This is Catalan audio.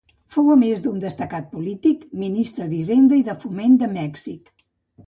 Fou a més un destacat polític, Ministre d'Hisenda i de Foment de Mèxic.